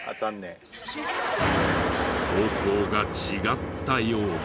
方向が違ったようだ。